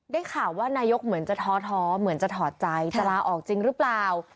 ข่าวว่านายกเหมือนจะท้อท้อเหมือนจะถอดใจจะลาออกจริงหรือเปล่า